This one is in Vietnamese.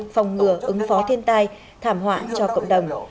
phòng ngừa ứng phó thiên tai thảm họa cho cộng đồng